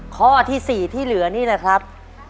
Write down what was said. ข้อที่๔ที่เหลือนี่นะครับ